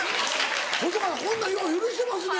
細川さんこんなんよう許してますね。